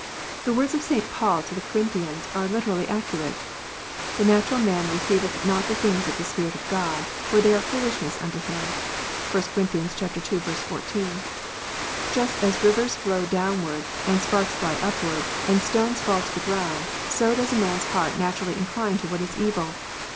The words of St. Paul to the v Corinthians are literally accurate :" The natural man receiveth J not the things of the Spirit of God, for they are foolishness J unto him." (1 Cor. ii. 14.) Just as rivers flow downward, $ and sparks fly upward, and stones fall to the ground, so does a ^ man s heart naturally incline to what is evil.